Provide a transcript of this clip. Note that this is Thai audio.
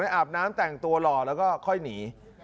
อาบน้ำแต่งตัวหล่อแล้วก็ค่อยหนี